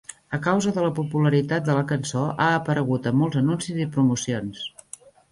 A causa de la popularitat de la cançó, ha aparegut en molts anuncis i promocions.